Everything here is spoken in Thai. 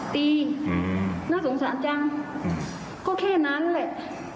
น่าสงสารจังก็แค่นั้นแหละ